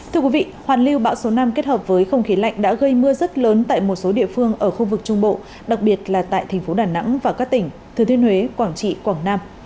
thưa quý vị hoàn lưu bão số năm kết hợp với không khí lạnh đã gây mưa rất lớn tại một số địa phương ở khu vực trung bộ đặc biệt là tại thành phố đà nẵng và các tỉnh thừa thiên huế quảng trị quảng nam